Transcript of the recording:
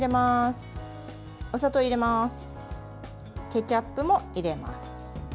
ケチャップも入れます。